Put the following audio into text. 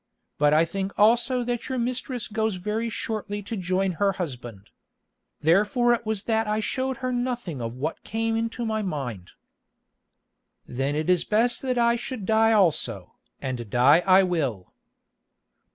But I think also that your mistress goes very shortly to join her husband. Therefore it was that I showed her nothing of what came into my mind." "Then it is best that I should die also, and die I will."